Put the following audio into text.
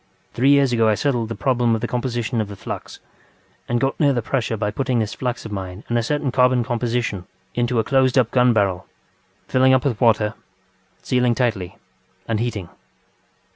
Three years ago I settled the problem of the composition of the flux, and got near the pressure by putting this flux of mine and a certain carbon composition into a closed up gun barrel, filling up with water, sealing tightly, and heating.